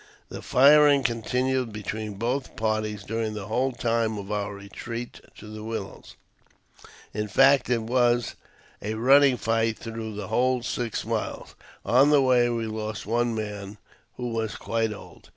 The firing continued between both parties during the whole time of our retreat to the willows ; in fact, it was a running fight through the whole six miles. On the way we lost one man, who was quite old.